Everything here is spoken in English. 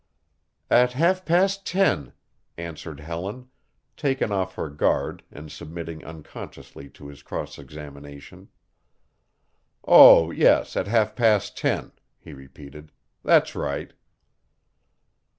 "At half past ten," answered Helen, taken off her guard and submitting unconsciously to his cross examination. "Oh, yes, at half past ten," he repeated. "That's right."